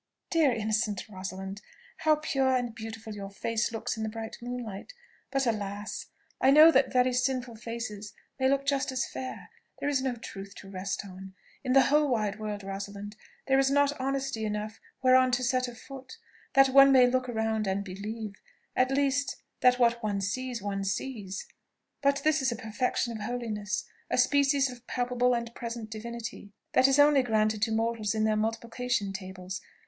"Dear, innocent Rosalind! How pure and beautiful your face looks in the bright moonlight! But, alas! I know that very sinful faces may look just as fair. There is no truth to rest on. In the whole wide world, Rosalind, there is not honesty enough whereon to set a foot, that one may look around and believe, at least, that what one sees, one sees. But this is a perfection of holiness a species of palpable and present divinity, that is only granted to mortals in their multiplication tables.